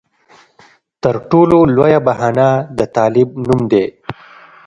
تر ټولو لویه بهانه د طالب نوم دی.